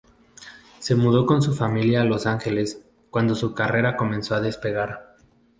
Se mudó con su familia a Los Angeles cuando su carrera comenzó a despegar.